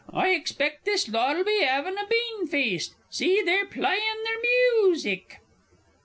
I expect this lot'll be 'aving a beanfeast. See, they're plyin' their myusic.